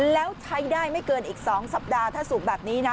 แล้วใช้ได้ไม่เกินอีก๒สัปดาห์ถ้าสูบแบบนี้นะ